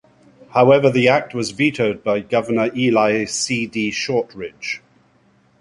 However, the act was vetoed by Governor Eli C. D. Shortridge.